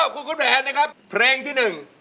คุณแผนนะครับเพลงที่๑